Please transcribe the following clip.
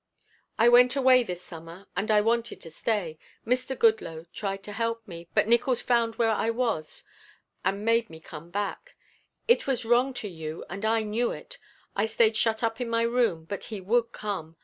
"I went away this summer and I wanted to stay. Mr. Goodloe tried to help me, but Nickols found where I was and made me come back. It was wrong to you and I knew it. I stayed shut up in my room, but he would come.